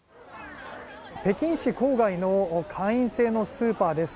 北京市郊外の会員制のスーパーです。